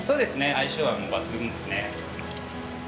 相性はもう抜群ですね。